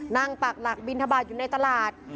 นั่งปากหลักบิณฑบาทอยู่ในตลาด